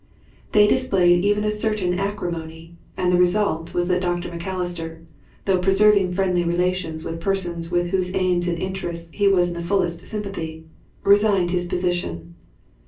They displayed even a certain acrimony, and the result was that Dr. Macalister, though preserving friendly relations with persons with whose aims and interests he was in the fullest sympathy, re signed his position.